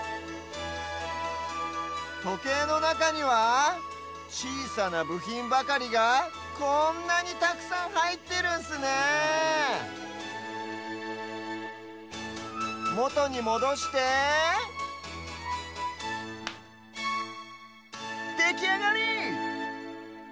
とけいのなかにはちいさなぶひんばかりがこんなにたくさんはいってるんすねえもとにもどしてできあがり！